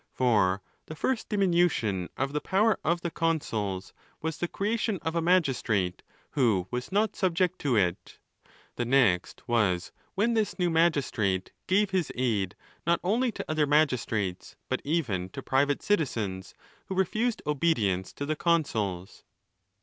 For the first diminution of the power of the consuls was the creation of a magistrate who was not subject to it, The next was, when this new magistrate gave his aid not only to other magistrates, but even to private citizens, who refused obedience to the consuls.